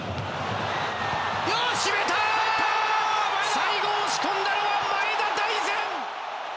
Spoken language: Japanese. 最後、押し込んだのは前田大然！